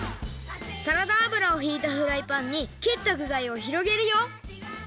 サラダあぶらをひいたフライパンにきったぐざいをひろげるよ。